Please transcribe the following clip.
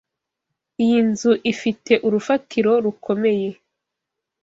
Iyi nzu ifite urufatiro rukomeye.